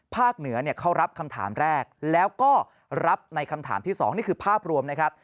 เหนือเขารับคำถามแรกแล้วก็รับในคำถามที่๒นี่คือภาพรวมนะครับ